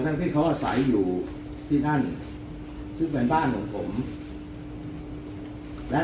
ที่เขาอาศัยอยู่ที่นั่นซึ่งเป็นบ้านของผมและ